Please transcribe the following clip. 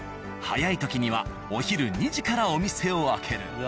早い時にはお昼２時からお店を開ける。